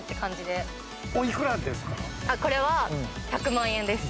これは１００万円です。